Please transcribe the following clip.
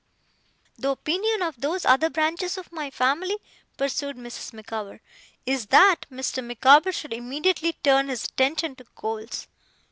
'The opinion of those other branches of my family,' pursued Mrs. Micawber, 'is, that Mr. Micawber should immediately turn his attention to coals.